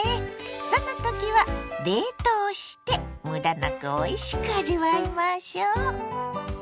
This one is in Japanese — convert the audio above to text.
そんなときは冷凍してむだなくおいしく味わいましょ。